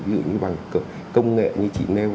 ví dụ như bằng công nghệ như chỉ nail